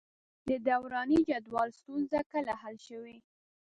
د دوراني جدول ستونزې کله حل شوې؟